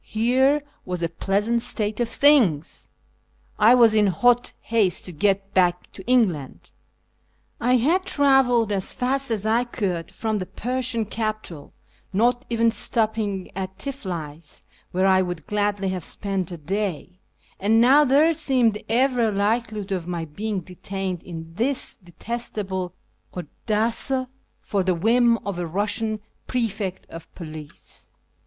Here was a pleasant state of things ! I was in hot haste to get back to England ; I had travelled as fast as I could 574 ^i YEAR AAfONGST THE PERSIANS from the Persiaii capital, not even stopping at Tiflis, where I would i^ladly have spent a day ; and now there seemed every likelihood of my being detained in this detestable Odessa for the whim of a Kussian prefect of police.